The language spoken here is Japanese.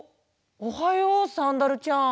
おはようサンダルちゃん。